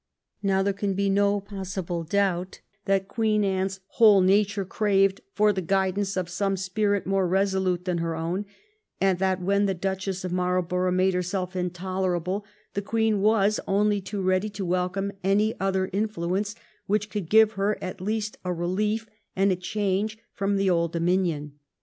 Now, there can be no possible doubt that Queen Anne's whole nature craved for the guidance of some spirit more resolute than her own, and that when the Duchess of Marlborough made her self intolerable the Queen was only too ready to wel come any other influence which could give her at least a relief and a change from the old dominion.